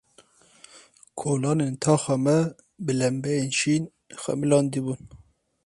Kolanên taxa me bi lembeyên şîn xemilandibûn.